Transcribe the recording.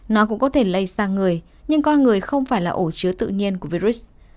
nó cũng có thể lây sang người nhưng con người không phải là ổ chứa tự nhiên của virus